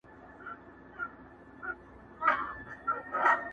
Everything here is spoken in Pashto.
مار دي په لستوڼي کي آدم ته ور وستلی دی !.